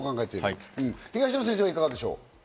東野先生はいかがでしょう？